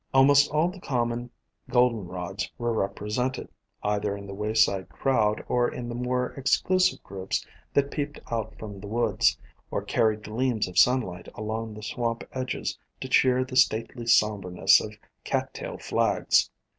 Almost all the common Goldenrods were repre sented, either in the wayside crowd or in the more exclusive groups that peeped out from the woods, or carried gleams of sunlight along the swamp edges to cheer the stately somberness of Cat tail Flags.